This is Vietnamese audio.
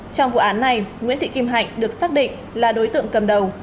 trong vụ án này nguyễn thị kim hạnh được xác định là đối tượng cầm đầu